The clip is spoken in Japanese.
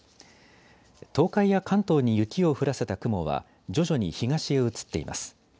東海や関東に雪を降らせた雲は徐々に東へ移っています。